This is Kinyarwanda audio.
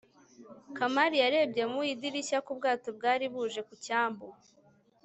kamali yarebye mu idirishya ku bwato bwari buje ku cyambu